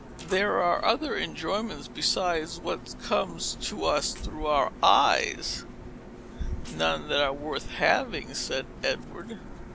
There are other enjoyments, besides what come to us through our eyes." "None that are worth having," said Edward.